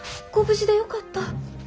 ご無事でよかった」。